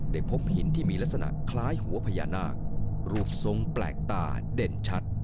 พบหินที่มีลักษณะคล้ายหัวพญานาครูปทรงแปลกตาเด่นชัด